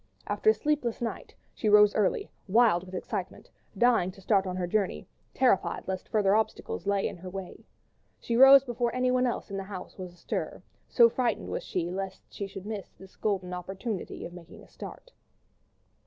After a sleepless night, she rose early, wild with excitement, dying to start on her journey, terrified lest further obstacles lay in her way. She rose before anyone else in the house was astir, so frightened was she, lest she should miss the one golden opportunity of making a start.